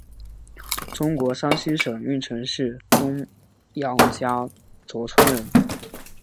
中国山西省运城市东杨家卓村人。